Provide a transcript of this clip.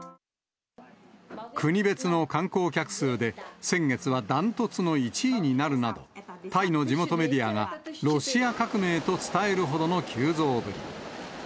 国別の観光客数で、先月は断トツの１位になるなど、タイの地元メディアがロシア革命と伝えるほどの急増ぶり。